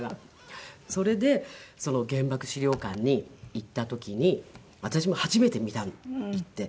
それで原爆資料館に行った時に私も初めて見た行って。